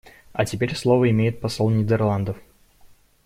А теперь слово имеет посол Нидерландов.